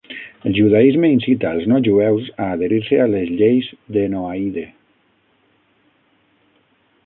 El judaisme incita els no jueus a adherir-se a les lleis de Noahide.